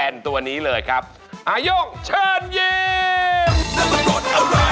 นายกเชิญเย็น